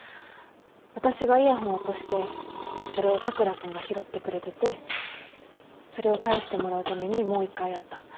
私がイヤホン落としてそれを佐倉君が拾ってくれててそれを返してもらうためにもう一回会った。